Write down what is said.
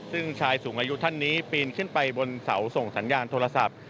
ซึ่งชายสูงอายุท่านนี้ปีนขึ้นไปบนเสาส่งสัญญาณโทรศัพท์